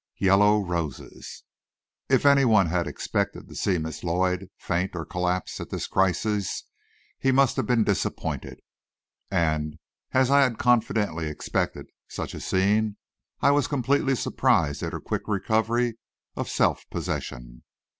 YELLOW ROSES If any one expected to see Miss Lloyd faint or collapse at this crisis he must have been disappointed, and as I had confidently expected such a scene, I was completely surprised at her quick recovery of self possession.